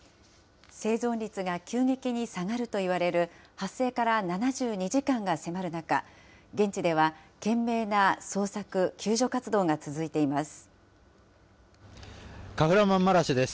生存率が急激に下がるといわれる、発生から７２時間が迫る中、現地では懸命な捜索、救助活動が続いています。